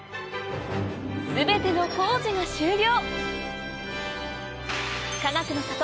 全ての工事が終了！